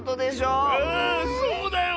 ⁉そうだよ！